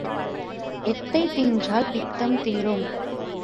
எத்தைத் தின்றால் பித்தம் தீரும்?